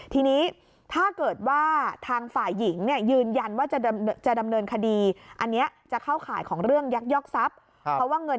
ทีนี้ถ้าเกิดว่าทางฝ่ายหญิงยืนยันว่าจะดำเนินคดี